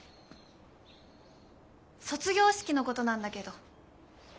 卒業式のことなんだけど。